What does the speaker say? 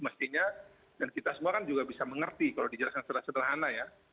mestinya dan kita semua kan juga bisa mengerti kalau dijelaskan secara sederhana ya